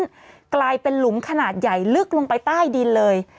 มันกลายเป็นหลุมขนาดใหญ่ลึกลงไปใต้ดินเลย